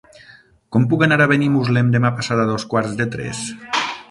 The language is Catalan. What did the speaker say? Com puc anar a Benimuslem demà passat a dos quarts de tres?